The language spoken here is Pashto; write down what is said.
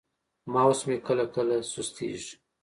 ماوس مې کله کله سستېږي.